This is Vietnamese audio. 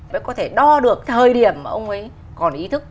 mới có thể đo được thời điểm mà ông ấy còn ý thức